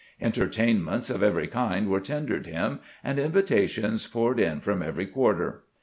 Entertainments of every kind were tendered him, and invitations poured in from every quarter.